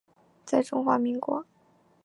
在中华民国。